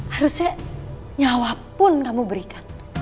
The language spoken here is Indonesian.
harusnya nyawa pun kamu berikan